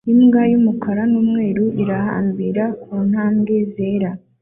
Imbwa y'umukara n'umweru irahambira ku ntambwe zera